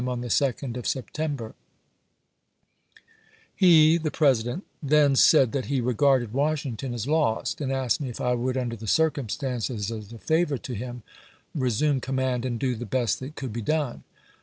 on the 2d of September : He [the President] then said that he regarded Wash ington as lost, and asked me if I would, under the circum stances, as a favor to him, resume command and do the best that could be done.